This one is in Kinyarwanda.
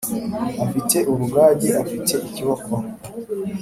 afite urugage afite ikiboko